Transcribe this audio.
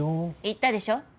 言ったでしょ。